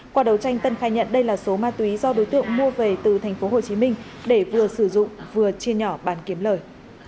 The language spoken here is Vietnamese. qua đầu tranh tân khai nhận đây là số ma túy do đối tượng mua về từ tp hcm để vừa sử dụng vừa chia nhỏ bán kiếm lời